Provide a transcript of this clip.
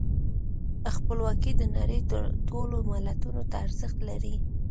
خپلواکي د نړۍ ټولو ملتونو ته ارزښت لري.